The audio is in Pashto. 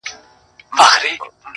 په نخرو په مکیزو سو مخ او شاته!!